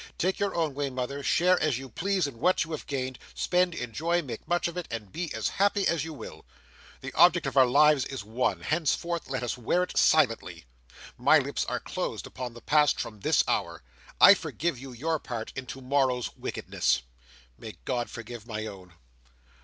"Take your own way, mother; share as you please in what you have gained; spend, enjoy, make much of it; and be as happy as you will. The object of our lives is won. Henceforth let us wear it silently. My lips are closed upon the past from this hour. I forgive you your part in to morrow's wickedness. May God forgive my own!"